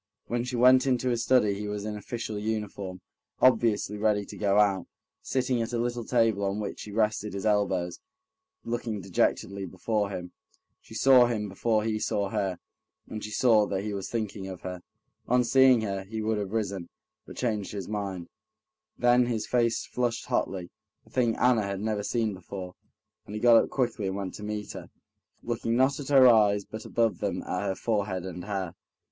When she went into his study he was in official uniform, obviously ready to go out, sitting at a little table on which he rested his elbows, looking dejectedly before him. She saw him before he saw her, and she saw that he was thinking of her. On seeing her, he would have risen, but changed his mind, then his face flushed hotly—a thing Anna had never seen before, and he got up quickly and went to meet her, looking not at her eyes, but above them at her forehead and hair.